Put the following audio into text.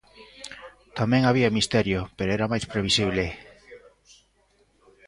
Tamén había misterio pero era máis previsible.